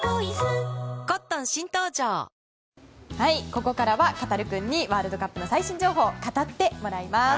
ここからは、カタルくんにワールドカップの最新情報を語ってもらいます。